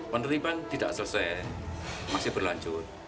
penerimaan tidak selesai masih berlanjut